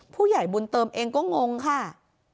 ผู้ใหญ่บุญเติมเองก็งงค่ะ